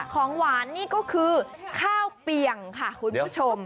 ของหวานนี่ก็คือข้าวเปียงค่ะคุณผู้ชม